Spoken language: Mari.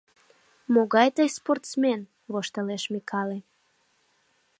— Могай тый спортсмен, — воштылеш Микале.